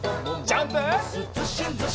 ジャンプ！